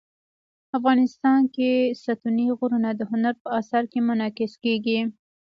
افغانستان کې ستوني غرونه د هنر په اثار کې منعکس کېږي.